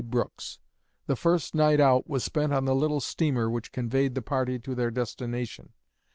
Brooks. The first night out was spent on the little steamer which conveyed the party to their destination.